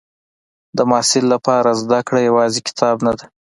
د محصل لپاره زده کړه یوازې کتاب نه ده.